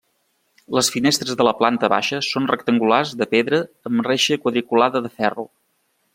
Les finestres de la planta baixa són rectangulars de pedra amb reixa quadriculada de ferro.